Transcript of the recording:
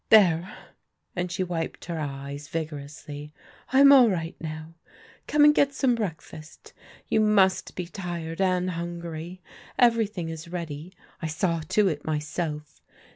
There," and she wiped her eyes vigorously, I'm all right now. Come and get some breakfast You must be tired and hungry. Everything is ready. I saw to it myself.